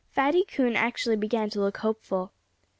Fatty Coon actually began to look hopeful.